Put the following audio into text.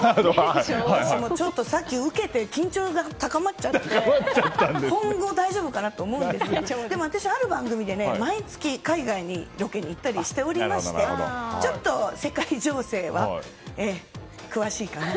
私もちょっとさっき受けて緊張が高まっちゃって今後、大丈夫かなと思うんですが私、ある番組で毎月海外にロケに行ったりしておりましてちょっと世界情勢は詳しいかな。